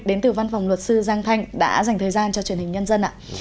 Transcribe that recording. đến từ văn phòng luật sư giang thanh đã dành thời gian cho truyền hình nhân dân ạ